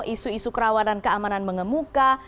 isu isu kerawanan keamanan mengemuka